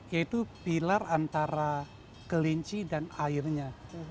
yaitu pilar antara kelinci dan airnya